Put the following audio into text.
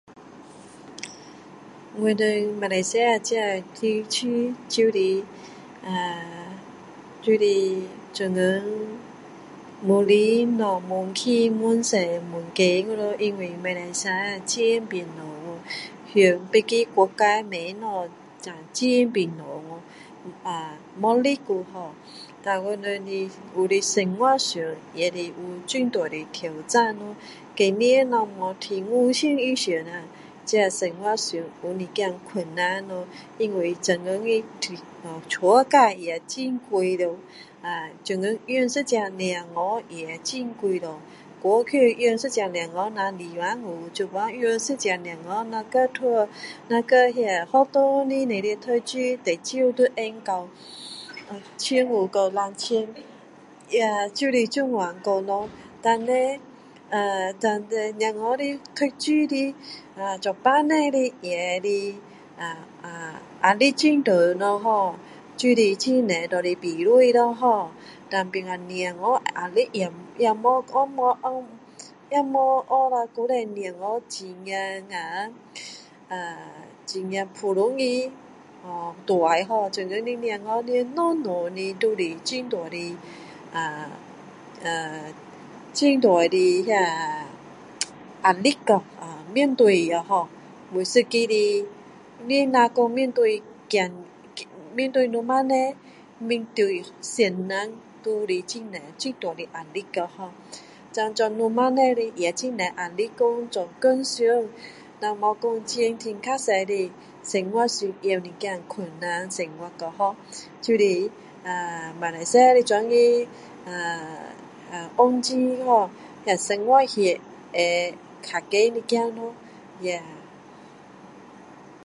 我们马来西亚这的区就是啊就是现今越来东西越起越多越高掉咯因为马拉西亚钱变小去向别的国家买东西钱变小掉没力掉ho dan我们的有些的生活上也有很多的挑战咯工钱没有五千以上啊这生活上有一点困难咯因为现今的屋价也很贵了现今养一个孩子也很贵咯过去养一个孩子只有两百五现在养一个小孩拿丢托儿那丢那学校里面读书最少要放到千五到两千也就是这样说咯dan就是dan就是说叻啊dan小孩的读书做父母的也是压力很重啦ho也很多拿来比赛咯ho dan变成小孩的压力也没也没像以前小孩很啊很普通的大ho现今的小孩连小小的就有很大的很大的啊压力ho面对ho每一个不是只有面对孩子面对父母面对先生都有很大的很多的压力ho dan做父母的也很多压力做工上那没说钱赚不太多的生活上也困难生活啊ho就是马来西亚现在的啊行情哦那生活费也较高一点咯ya